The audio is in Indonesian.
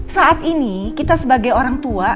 saat ini kita sebagai orang tua